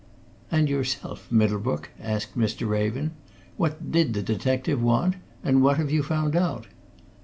"And yourself, Middlebrook?" asked Mr. Raven. "What did the detective want, and what have you found out?"